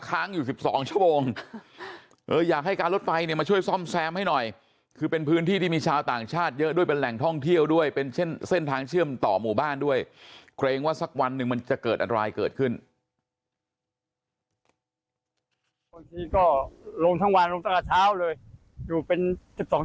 พนุษย์แสมให้หน่อยคือเป็นพื้นที่ที่มีชาวต่างชาติเยอะด้วยเป็นแหล่งท่องเที่ยวด้วยเป็นเช่นเช่นทางเชื่อมต่อมันบ้านด้วยเครงว่าสักวันหนึ่งจะเกิดอะไรท่องเที่ยวสี่ปีก็